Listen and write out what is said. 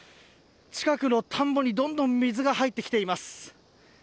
近くの田んぼにどんどん水が入ってきています。